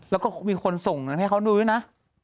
แล้วก็มีคนส่งให้เขาดูด้วยนะ